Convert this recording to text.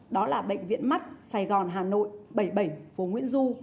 đó là bệnh viện mắt sài gòn hà nội bảy mươi bảy phố nguyễn du